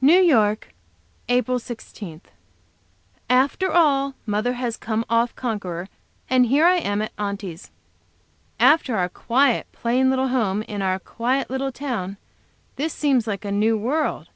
New York, April 16. After all, mother has come off conqueror, and here I am at Aunty's. After our quiet, plain little home, in our quiet little town, this seems like a new world.